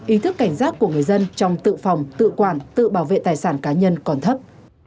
ý thức cảnh giác của người dân trong tự phòng tự quản tự bảo vệ tài sản cá nhân còn thấp